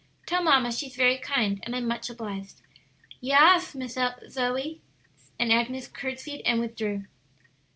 Tell mamma she's very kind, and I'm much obliged." "Ya'as, Miss Zoe," and Agnes courtesied and withdrew.